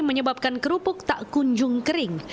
menyebabkan kerupuk tak kunjung kering